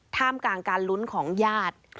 ท่ามกลางการลุ้นของญาติ